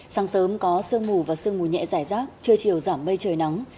sáng sớm có sương mù và sương mù nhẹ giải rác trưa chiều giảm mây trời nắng